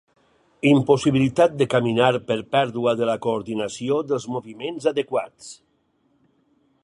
Impossibilitat de caminar per pèrdua de la coordinació dels moviments adequats.